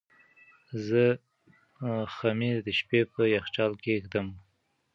زه خمیر د شپې په یخچال کې ږدم.